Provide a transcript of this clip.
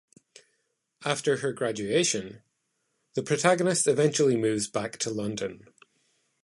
After her graduation the protagonist eventually moves back to London.